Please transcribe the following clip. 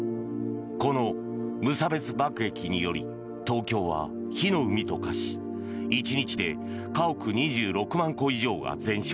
この無差別爆撃により東京は火の海と化し１日で家屋２６万戸以上が全焼。